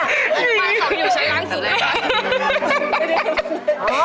อันทุบาทสองอยู่ชั้นล่างสุดเลยค่ะ